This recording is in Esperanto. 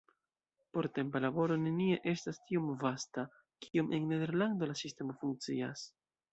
Portempa laboro nenie estas tiom vasta, kiom en Nederlando la sistemo funkcias.